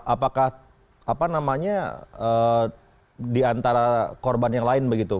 apakah apa namanya di antara korban yang lain begitu